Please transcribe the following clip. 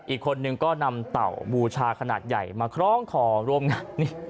อีกคนนึงก็นำเต่าบูชาขนาดใหญ่มาคล้องคอร่วมงาน